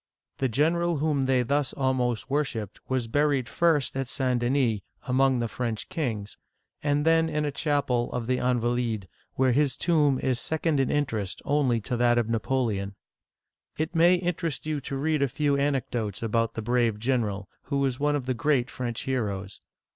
The general whom they thus almost worshiped was buried first at St. Denis, among the French kings, and then in a chapel of the Invalides (aN va leed'), where his tomb is second in interest only to that of Napoleon. It may interest you to read a few anecdotes about the brave general, who is one of the great French heroes.